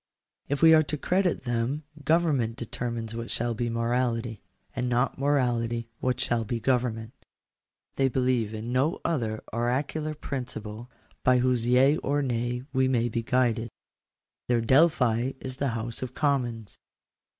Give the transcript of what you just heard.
If we are to credit them government determines what shall be morality; and not morality what shall be government. They believe in no oracular principle by whose yea or nay we may be guided : their Delphi is the House of Commons.